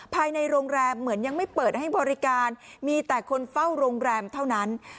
ภายในโรงแรมเหมือนยังไม่เปิดให้บริการมีแต่คนเฝ้าโรงแรมเท่านั้น